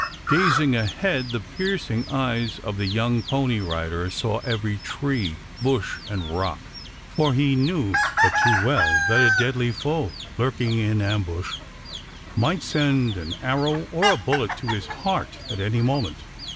Gazing ahead, the piercing eyes of the young pony rider saw every tree, bush, and rock, for he knew but too well that a deadly foe, lurking in ambush, might send an arrow or a bullet to his heart at any moment.